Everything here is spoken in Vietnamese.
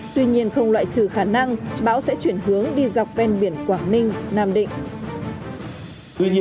tuy nhiên không loại trừ khả năng bão sẽ chuyển hướng đi dọc ven biển quảng ninh nam định